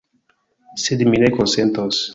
Sed mi ne konsentos.